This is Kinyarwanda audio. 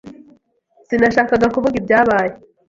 Sinashakaga kuvuga ibyabaye.